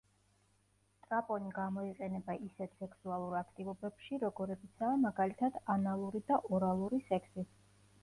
სტრაპონი გამოიყენება ისეთ სექსუალურ აქტივობებში, როგორებიცაა მაგალითად ანალური და ორალური სექსი.